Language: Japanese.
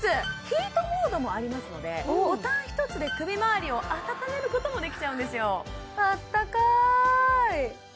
ヒートモードもありますのでボタン一つで首まわりを温めることもできちゃうんですよ